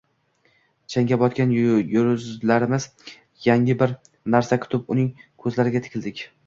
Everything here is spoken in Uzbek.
Changga botgan yuzlarimiz yangi bir narsa kutib, uning ko`zlariga tikildik